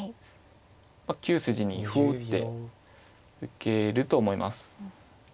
９筋に歩を打って受けると思います。